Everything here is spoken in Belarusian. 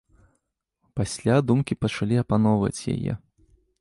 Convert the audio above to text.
Пасля думкі пачалі апаноўваць яе.